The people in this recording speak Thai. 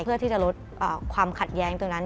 เพื่อที่จะลดความขัดแย้งตรงนั้น